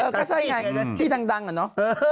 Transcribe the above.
ก็ใช่ไงที่ดังอะเนาะ